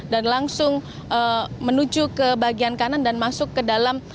dan langsung menuju ke bagian kanan dan masuk ke dalam